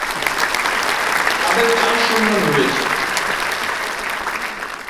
তাদের চার সন্তান রয়েছে।